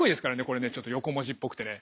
これねちょっと横文字っぽくてね。